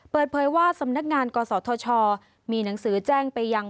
เปิดเผยว่าสำนักงานกศธชมีหนังสือแจ้งไปยัง